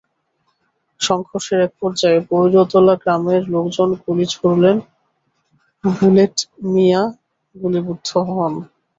সংঘর্ষের একপর্যায়ে পৈরতলা গ্রামের লোকজন গুলি ছুড়লে বুলেট মিয়া গুলিবিদ্ধ হন।